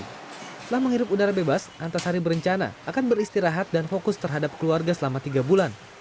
setelah menghirup udara bebas antasari berencana akan beristirahat dan fokus terhadap keluarga selama tiga bulan